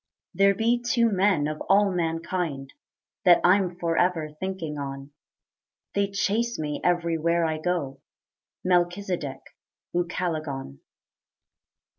There be two men of all mankind That I'm forever thinking on: They chase me everywhere I go, Melchizedek, Ucalegon.